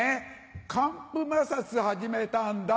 乾布摩擦始めたんだ。